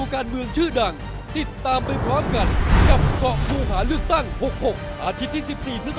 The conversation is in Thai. แก้ปัญหารถติดนะ